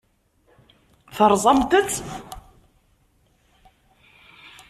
Terẓamt-tt?